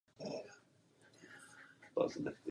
Guvernér má spíše reprezentativní funkci.